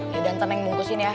yaudah ntar neng bungkusin ya